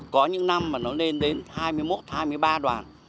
có những năm mà nó lên đến hai mươi một hai mươi ba đoàn